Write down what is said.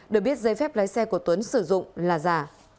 được biết giấy phép lái xe của tuấn sử dụng là giả